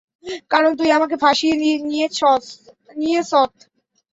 কারন তুই আমাকে ফাঁসিয়ে নিয়েছত।